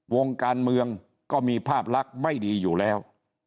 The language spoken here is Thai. วงการเมืองก็มีภาพลักษณ์ไม่ดีอยู่แล้ว